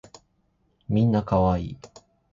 みんな可愛い